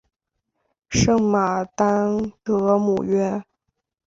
圣马丹德姆约。